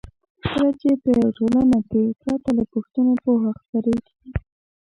کله چې په یوه ټولنه کې پرته له پوښتنو پوهه خپریږي.